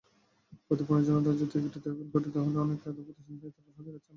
ক্ষতিপূরণের জন্য আন্তর্জাতিকভাবে একটি তহবিল গঠিত হলেও অনেক ক্রেতাপ্রতিষ্ঠান এতে আগ্রহ দেখাচ্ছে না।